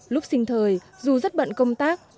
lúc sinh thời dù rất bận công tác